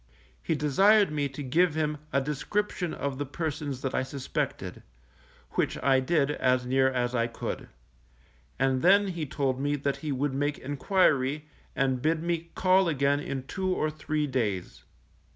He desired me to give him a description of the persons that I suspected, which I did, as near as I could; and then he told me, that he would make enquiry, and bid me call again in two or three days.